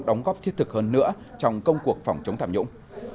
đóng góp thiết thực hơn nữa trong công cuộc phòng chống tham nhũng